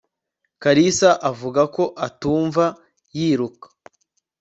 kalisa avuga ko atumva yiruka